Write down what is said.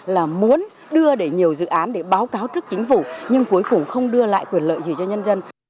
là muốn đưa để nhiều dự án để báo cáo trước chính phủ nhưng cuối cùng không đưa lại quyền lợi gì cho nhân dân